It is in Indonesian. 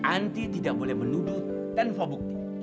anti tidak boleh menuduh tanpa bukti